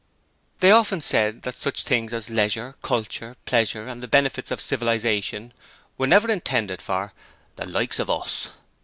They often said that such things as leisure, culture, pleasure and the benefits of civilization were never intended for 'the likes of us'.